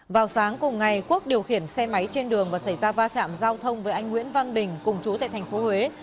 vào sáng cùng ngày quốc điều khiển xe máy trên đường và xảy ra va chạm giao thông với anh nguyễn văn bình cùng trú tại thành phố huế